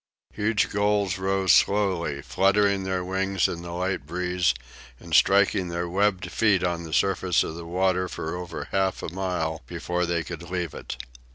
Huge gulls rose slowly, fluttering their wings in the light breeze and striking their webbed feet on the surface of the water for over half a mile before they could leave it.